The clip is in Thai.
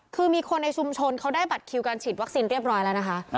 คือมีคนในชุมชนเขาได้บัตรคิวการฉีดวัคซีนเรียบร้อยแล้วนะคะ